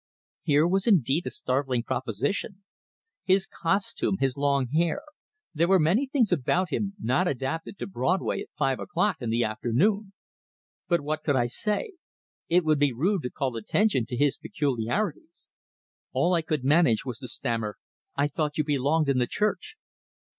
Here was indeed a startling proposition! His costume, his long hair there were many things about him not adapted to Broadway at five o'clock in the afternoon! But what could I say? It would be rude to call attention to his peculiarities. All I could manage was to stammer: "I thought you belonged in the church."